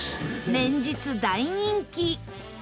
連日、大人気！